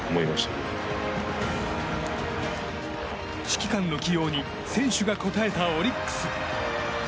指揮官の起用に選手が応えたオリックス。